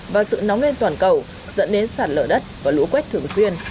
và sự nóng lên toàn cầu dẫn đến sản lỡ đất và lũ quét thường xuyên